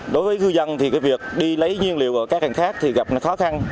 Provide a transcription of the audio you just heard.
đối với ngư dân thì việc đi lấy nhiên liệu ở các cảnh khác gặp khó khăn